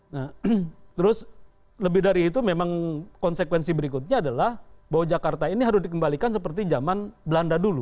nah terus lebih dari itu memang konsekuensi berikutnya adalah bahwa jakarta ini harus dikembalikan seperti zaman belanda dulu